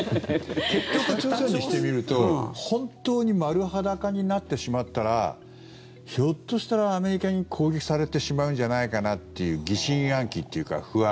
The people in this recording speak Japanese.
北朝鮮にしてみると本当に丸裸になってしまったらひょっとしたらアメリカに攻撃されてしまうんじゃないかなっていう疑心暗鬼というか不安。